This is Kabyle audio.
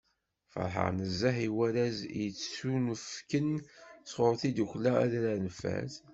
Feṛḥeɣ nezzeh s warraz i d-yettunefken sɣur tddukkla Adrar n Fad.